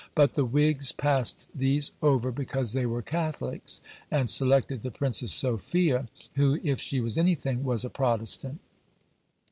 But the Whigs passed these over because they were Catholics, and selected the Princess Sophia, who, if she was anything, was a Protestant.